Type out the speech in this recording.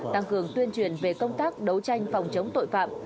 tăng cường tuyên truyền về công tác đấu tranh phòng chống tội phạm